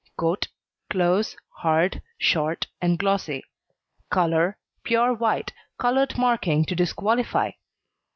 COAT Close, hard, short, and glossy. COLOUR Pure white, coloured marking to disqualify.